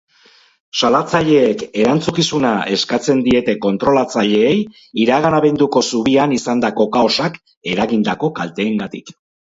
Salatzaileek erantzukizuna eskatzen diete kontrolatzaileei iragan abenduko zubian izandako kaosak eragindako kalteengatik.